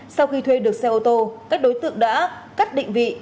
sau khi thuê được xe ô tô các đối tượng đã cắt định vị